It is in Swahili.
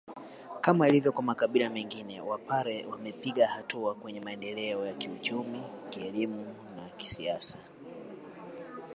Kama ilivyo kwa makabila mengine wapare wamepiga hatua kwenye maendeleo kielimu kisiasa na kichumi